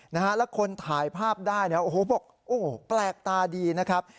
นะฮะแล้วคนถ่ายภาพได้เนี่ยโอ้โหบอกโอ้โหแปลกตาดีนะครับ